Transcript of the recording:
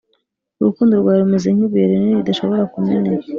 urukundo rwawe rumeze nk’ibuye rinini ridashobora kumeneka